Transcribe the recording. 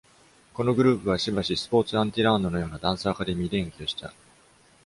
このグループはしばし、スポーツアンティラーノのようなダンスアカデミーで演技をした。